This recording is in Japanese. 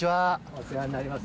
お世話になります。